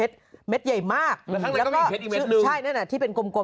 ถ้าปล่อยให้มันอยู่ต่อมันอาจจะลูกออกมาอีกไหม